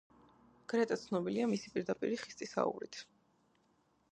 გრეტა ცნობილია მისი პირდაპირი, ხისტი საუბრით.